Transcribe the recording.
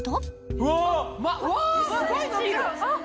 うわすごい伸びる。